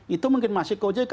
itu mungkin masih ke ojk